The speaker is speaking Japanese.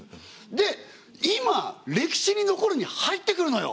で今「歴史に残る」に入ってくるのよ。